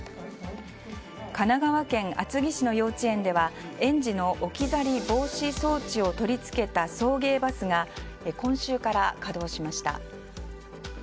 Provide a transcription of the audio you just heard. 神奈川県厚木市の幼稚園では園児の置き去り防止装置を取り付けた送迎バスが今週から稼働しました。